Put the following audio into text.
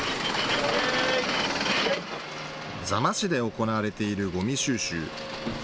座間市で行われているゴミ収集。